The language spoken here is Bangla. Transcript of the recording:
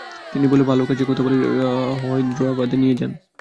তিনি ভালো কাজের কথা বলে হায়দরাবাদে নিয়ে যান।